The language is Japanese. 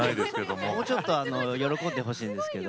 もうちょっと喜んでほしいんですけど。